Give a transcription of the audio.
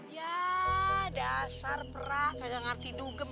yah dasar prah kagak ngerti dugem